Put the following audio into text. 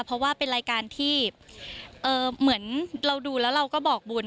เพราะว่าเป็นรายการที่เหมือนเราดูแล้วเราก็บอกบุญ